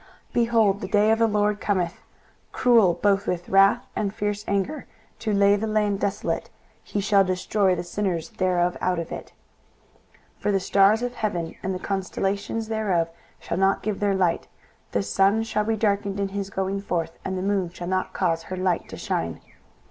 23:013:009 Behold, the day of the LORD cometh, cruel both with wrath and fierce anger, to lay the land desolate: and he shall destroy the sinners thereof out of it. 23:013:010 For the stars of heaven and the constellations thereof shall not give their light: the sun shall be darkened in his going forth, and the moon shall not cause her light to shine.